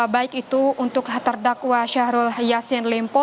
baik itu untuk terdakwa syahrul yassin limpo